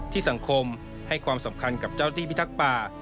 สังคมให้ความสำคัญกับเจ้าที่พิทักษ์ป่า